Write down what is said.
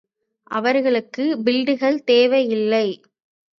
அவர்களுக்கு பில்டுகள் தேவை இல்லை.